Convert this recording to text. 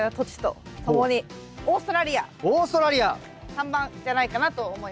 ３番じゃないかなと思います。